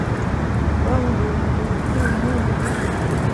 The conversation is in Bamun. Pe mvùùmvù po mùr-u.